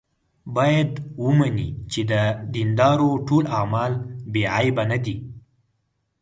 باید ومني چې د دیندارو ټول اعمال بې عیبه نه دي.